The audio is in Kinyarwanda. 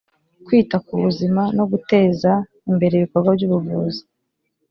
kwita ku buzima no guteza imbere ibikorwa by’ubuvuzi